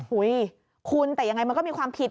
เฮ้ยคุณแต่ยังไงมันก็มีความผิด